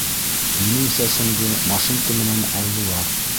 Минең сәсемде машинка менән алдылар.